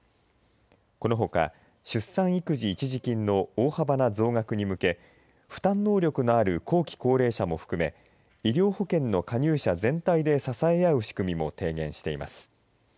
このほか、出産育児一時金の大幅な増額に向け負担能力のある後期高齢者も含め医療保険の加入者全体で支え合う仕組みも提言しています。